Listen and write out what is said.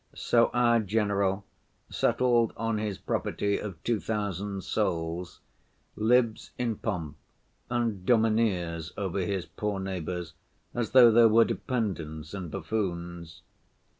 So our general, settled on his property of two thousand souls, lives in pomp, and domineers over his poor neighbors as though they were dependents and buffoons.